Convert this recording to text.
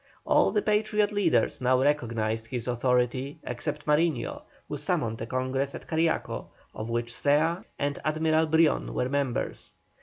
All the Patriot leaders now recognised his authority except Mariño, who summoned a Congress at Cariaco, of which Zea and Admiral Brion were members.